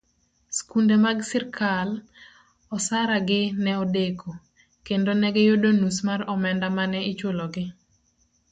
Skunde mag sirikal, osara gi nedeko, kendo negiyudo nus mar omenda mane ichulo gi.